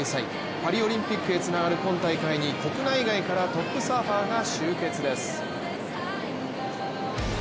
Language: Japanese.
パリオリンピックへつながる今大会に、国内外からトップサーファーが集結です。